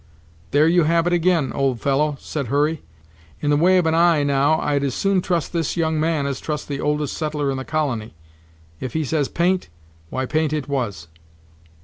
"There you have it ag'in, old fellow," said Hurry. "In the way of an eye, now, I'd as soon trust this young man, as trust the oldest settler in the colony; if he says paint, why paint it was."